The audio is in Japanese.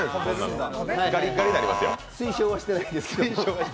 推奨はしてないんですけど。